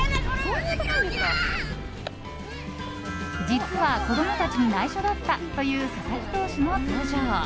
実は子供たちに内緒だったという佐々木投手の登場。